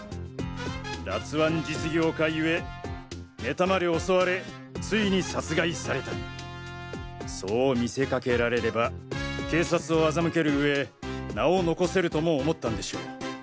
辣腕実業家ゆえ妬まれ襲われ遂に殺害されたそう見せかけられれば警察を欺ける上名を残せるとも思ったんでしょう。